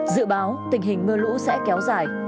dự báo tình hình mưa lũ sẽ kéo dài